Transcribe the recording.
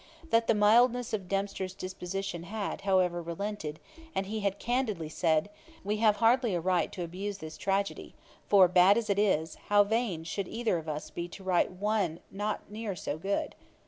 That the mildness of Dempster's disposition had, however, relented; and he had candidly said, 'We have hardly a right to abuse this tragedy: for bad as it is, how vain should either of us be to write one not near so good.'